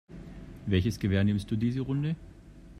Welches Gewehr nimmst du diese Runde?